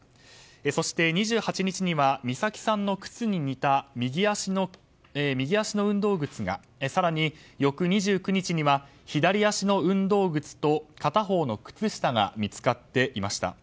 そして、２８日には美咲さんの靴に似た右足の運動靴が更に翌２９日には左足の運動靴と片方の靴下が見つかっていました。